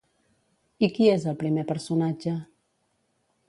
I qui és el primer personatge?